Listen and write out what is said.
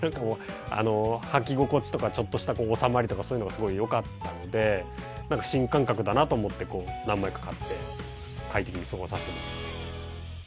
はき心地とかちょっとした収まりとかそういうのがすごいよかったので新感覚だなと思って何枚か買って快適に過ごさせてもらってます。